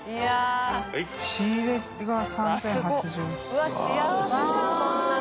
うわ幸せじゃんこんなの。